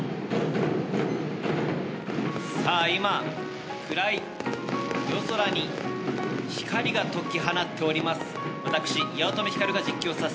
さあ今暗い夜空に光が解き放っております。